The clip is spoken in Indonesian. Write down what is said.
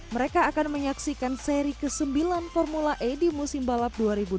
mereka akan menyaksikan seri ke sembilan formula e di musim balap dua ribu dua puluh satu dua ribu dua puluh dua